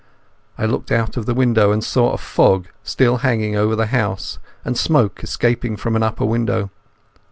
I looked out of the window and saw a fog still hanging over the house and smoke escaping from an upper window.